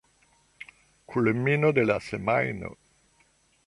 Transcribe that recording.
Kulmino de la semajno.